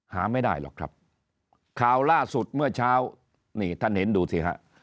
หาไม่ได้หรอกครับข่าวล่าสุดเมื่อเช้านี่ท่านเห็นดูสิฮะ